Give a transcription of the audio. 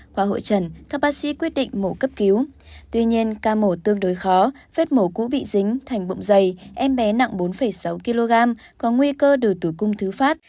qua hội trần các bác sĩ quyết định mổ cấp cứu tuy nhiên ca mổ tương đối khó vết mổ cũ bị dính thành bụng dày em bé nặng bốn sáu kg có nguy cơ đu tử cung thứ phát